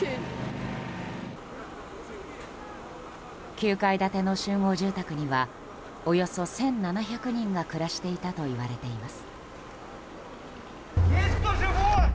９階建ての集合住宅にはおよそ１７００人が暮らしていたといわれています。